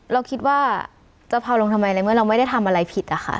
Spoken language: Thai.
เราคิดว่าจะเผาลงทำไมในเมื่อเราไม่ได้ทำอะไรผิดอะค่ะ